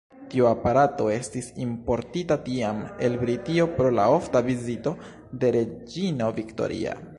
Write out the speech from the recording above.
Tiu aparato estis importita tiam el Britio pro la ofta vizito de reĝino Victoria.